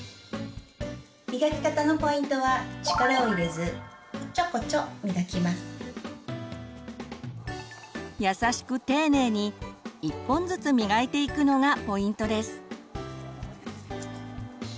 磨き方のポイントは優しく丁寧に１本ずつ磨いていくのがポイントです。